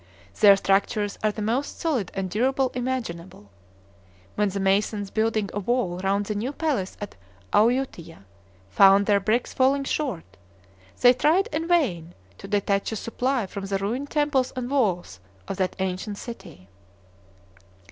Their structures are the most solid and durable imaginable. When the masons building a wall round the new palace at Ayuthia found their bricks falling short, they tried in vain to detach a supply from the ruined temples and walls of that ancient city.